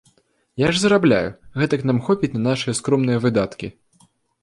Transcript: Я ж зарабляю, гэтак нам хопіць на нашыя скромныя выдаткі.